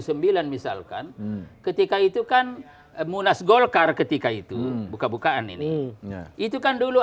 sembilan misalkan ketika itu kan munas golkar ketika itu buka bukaan ini itu kan dulu